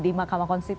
di mahkamah konstitusi